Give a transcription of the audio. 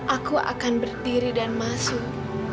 aku akan berdiri dan masuk